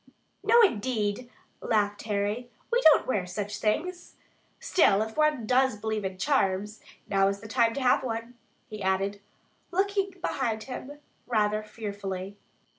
"No, indeed," laughed Harry. "We don't wear such things. Still, if one does believe in charms, now is the time to have one," he added, looking behind him rather fearfully.